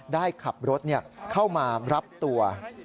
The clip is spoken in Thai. ได้ขับรถเข้ามารับตัว